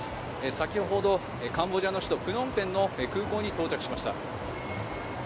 先ほどカンボジアの首都プノンペンの空港に到着しました。